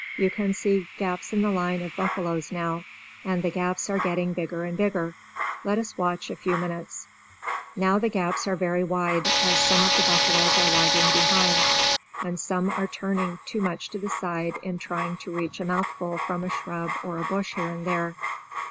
You can see gaps in the line of buffaloes now. And the gaps are getting bigger and bigger! Let us watch a few minutes. Now the gaps are very wide, as some of the buffaloes are lagging behind; and some are turning too much to the side in trying to reach a mouthful from a shrub or a bush here and there.